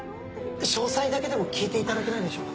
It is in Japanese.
詳細だけでも聞いていただけないでしょうか。